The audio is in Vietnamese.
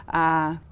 ở đà lạt